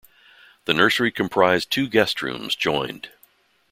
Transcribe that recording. The nursery comprised two guest rooms joined.